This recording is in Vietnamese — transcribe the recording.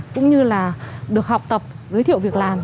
cũng như là được học tập giới thiệu việc làm